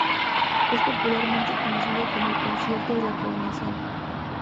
Es popularmente conocido como el Concierto de la Coronación.